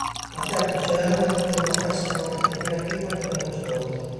Por certo, chegáronme a dicir unha frase que vou repetir aquí porque me gustou.